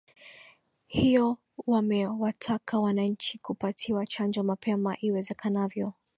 hiyo wamewataka wananchi kupatiwa chanjo mapema iwezekanavyo